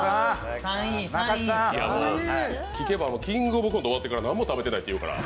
聞けば、「キングオブコント」終わってから何も食べてないっていうから。